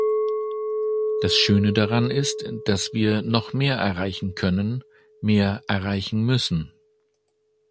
Das Schöne daran ist, dass wir noch mehr erreichen können, mehr erreichen müssen.